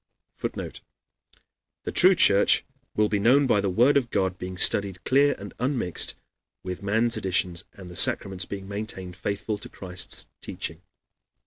[Footnote: "The true Church will be known by the Word of God being studied clear and unmixed with man's additions and the sacraments being maintained faithful to Christ's teaching."